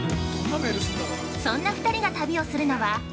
そんな２人が旅をするのは。